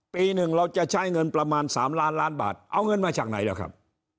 ปีหนึ่งเราจะใช้เงินประมาณ๓ล้านล้านบาทเอาเงินมาจากไหนล่ะครับ